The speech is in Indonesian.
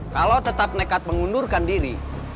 kalau tetap nekat mengundurkan diri